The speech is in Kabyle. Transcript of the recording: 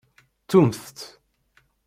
Ttumt-t.